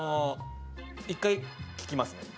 １回聞きますね